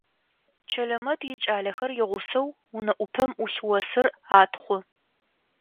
Чэлэмэт икӏалэхэр игъусэу, унэ ӏупэм ӏулъ осыр атхъу.